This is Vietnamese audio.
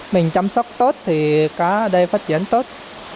mình chăm sóc tốt thì cá ở đây phát triển tốt